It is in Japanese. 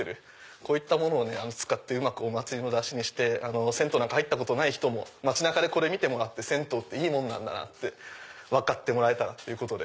こういったものを使ってうまくお祭りの山車にして銭湯なんか入ったことない人も街中でこれ見てもらって銭湯っていいもんなんだなって分かってもらえたらってことで。